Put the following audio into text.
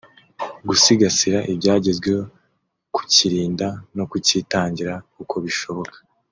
gusigasira ibyagezweho kukirinda no kucyitangira uko bishoboka